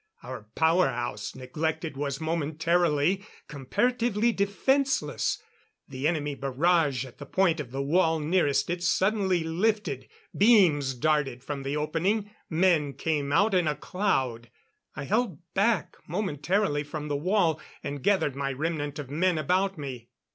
Our power house, neglected, was momentarily comparatively defenseless. The enemy barrage at the point of the wall nearest it, suddenly lifted. Beams darted from the opening ... men came out in a cloud.... I held back momentarily from the wall and gathered my remnant of men about me.